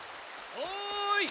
おい！